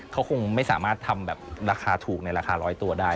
เขาคงไม่สามารถทำแบบราคาถูกในราคาร้อยตัวได้